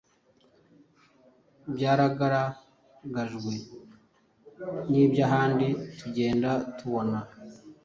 byaraganjwe n’iby’ahandi tugenda tubona